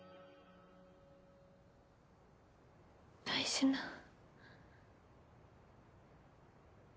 大事な。